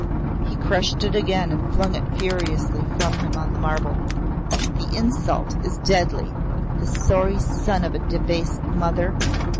'" He crushed it again and flung it furiously from him on the marble. "The insult is deadly. The sorry son of a debased mother!